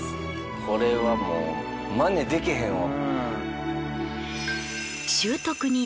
これはもう真似できへんわ。